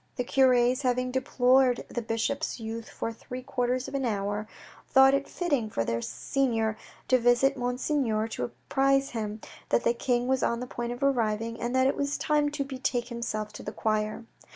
The cures, having deplored the bishop's youth for three quarters of an hour, thought it fitting for their senior to visit Monseigneur to apprise him that the King was on the point of arriving, and that it was time to betake himself to the choir.